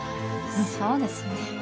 そうですね。